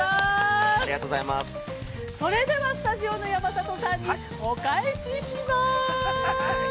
◆それでは、スタジオの山里さんに、お返しします。